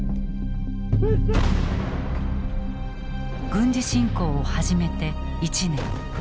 軍事侵攻を始めて１年。